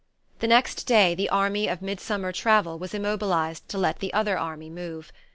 The next day the army of midsummer travel was immobilized to let the other army move.